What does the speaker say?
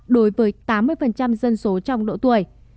đối với tám mươi dân số trong độ tuổi